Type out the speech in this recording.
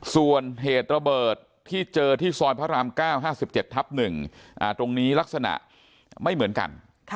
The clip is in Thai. ส่วนเหตุระเบิดที่เจอที่ซอยพระราม๙๕๗ทับ๑ตรงนี้ลักษณะไม่เหมือนกัน